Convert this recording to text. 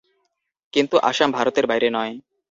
কিন্তু আসাম ভারতের বাইরে নয়।